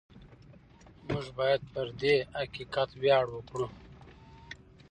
موږ باید پر دې حقیقت ویاړ وکړو.